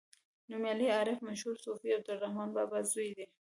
نومیالی عارف مشهور صوفي عبدالرحمان بابا زوی دی.